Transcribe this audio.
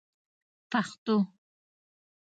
پښتو